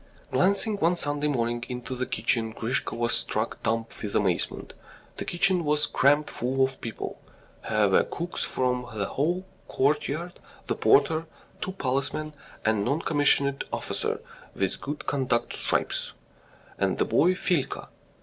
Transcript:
..." Glancing one Sunday morning into the kitchen, Grisha was struck dumb with amazement. The kitchen was crammed full of people. Here were cooks from the whole courtyard, the porter, two policemen, a non commissioned officer with good conduct stripes, and the boy Filka.